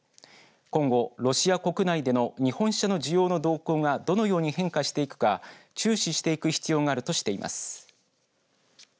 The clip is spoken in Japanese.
今後、ロシア国内での日本車の需要の動向がどのように変化していくか注視していく必要があるとしています。